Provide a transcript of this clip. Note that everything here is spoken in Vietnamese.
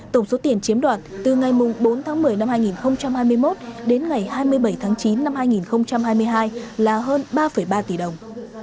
tổng số tiền chiếm đoạt từ ngày bốn tháng một mươi năm hai nghìn hai mươi một đến ngày hai mươi bảy tháng chín năm hai nghìn hai mươi hai là hơn ba ba tỷ đồng